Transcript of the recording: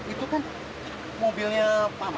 itu kan mobilnya pak mamat